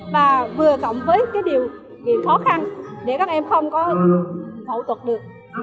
và vừa cộng với cái điều kiện khó khăn để các em không có phẫu thuật được